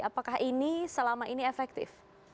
apakah ini selama ini efektif